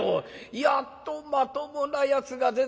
やっとまともなやつが出てきたよ。